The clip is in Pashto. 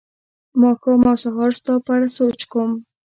ماښام او سهار ستا په اړه سوچ کوم